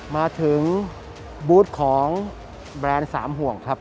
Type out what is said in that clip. มาถึงบูธของแบรนด์๓ห่วงครับ